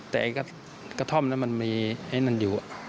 แต่ไอ้กระท่อมนั้นมันมีไอ้นั่นอยู่